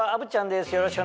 よろしくお願いします。